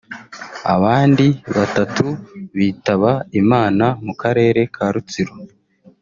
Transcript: abandi batatu bitaba Imana mu karere ka Rutsiro